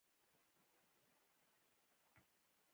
د ایرلنډ د لوی اسقف په اړه له بحث نه واوړم.